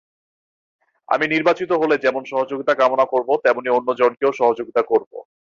আমি নির্বাচিত হলে যেমন সহযোগিতা কামনা করব, তেমনি অন্যজনকেও সহযোগিতা করব।